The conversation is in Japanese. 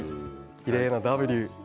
きれいなＷ。